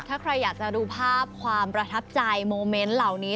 ถ้าใครอยากจะดูภาพความประทับใจโมเมนต์เหล่านี้